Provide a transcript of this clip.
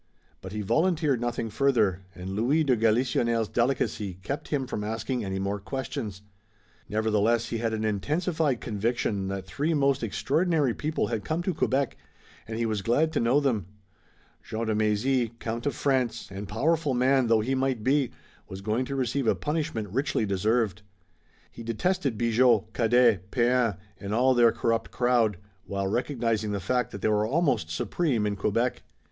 But he volunteered nothing further and Louis de Galisonnière's delicacy kept him from asking any more questions. Nevertheless he had an intensified conviction that three most extraordinary people had come to Quebec, and he was glad to know them. Jean de Mézy, count of France, and powerful man though he might be, was going to receive a punishment richly deserved. He detested Bigot, Cadet, Pean and all their corrupt crowd, while recognizing the fact that they were almost supreme in Quebec.